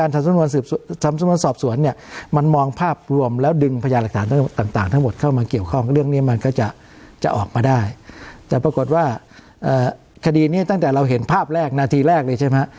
แต่ปรากฏว่าคดีนี้ตั้งแต่เราเห็นภาพแรกนาทีแรกเลยใช่ไหมฮะ